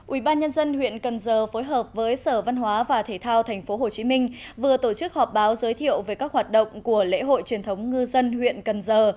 ubnd huyện cần giờ phối hợp với sở văn hóa và thể thao thành phố hồ chí minh vừa tổ chức họp báo giới thiệu về các hoạt động của lễ hội truyền thống ngư dân huyện cần giờ